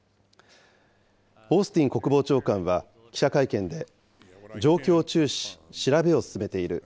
オースティン国防長官は記者会見で、状況を注視し、調べを進めている。